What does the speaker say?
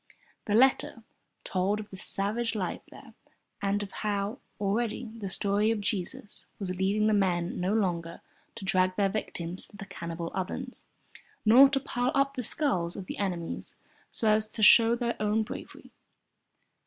The letter told of the savage life there and of how, already, the story of Jesus was leading the men no longer to drag their victims to the cannibal ovens, nor to pile up the skulls of their enemies so as to show their own bravery.